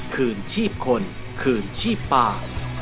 คืนชีพคนคืนชีพป่า